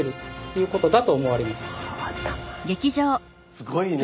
すごいね。